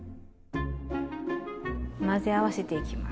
混ぜ合わせていきます。